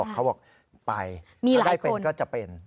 เขาบอกไปถ้าได้เป็นก็จะเป็น